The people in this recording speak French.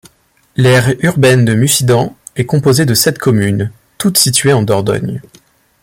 L'aire urbaine de Mussidan est composée de sept communes, toute situées en Dordogne.